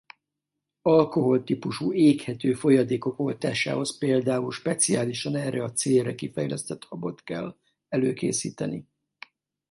Alkohol típusú éghető folyadékok oltásához például speciálisan erre a célra kifejlesztett habot kell előkészíteni.